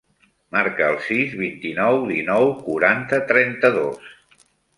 Marca el sis, vint-i-nou, dinou, quaranta, trenta-dos.